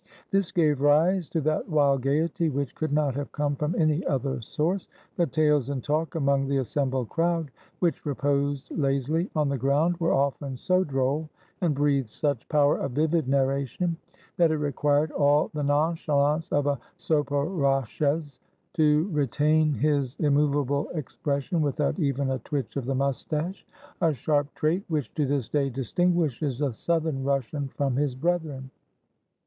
This gave rise to that wild gayety which could not have come from any other source. The tales and talk among the assembled crowd, which reposed lazily on the ground, were often so droll, and breathed such power of vivid narration, that it required all the non chalance of a Zaporozhetz to retain his immovable ex pression, without even a twitch of the mustache, — a sharp trait which to this day distinguishes the southern Russian from his brethren.